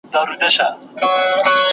هغه ښوونکی چې رښتینی وي اغېز لري.